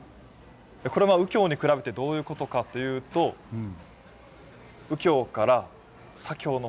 これは右京に比べてどういうことかというとへえ。